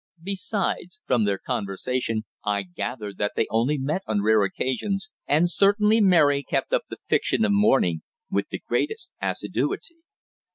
Besides, from their conversation I gathered that they only met on rare occasions, and certainly Mary kept up the fiction of mourning with the greatest assiduity.